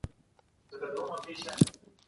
د کتاب لوستل ښه عادت دی.